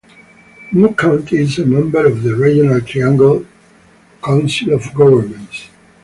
Moore County is a member of the regional Triangle J Council of Governments.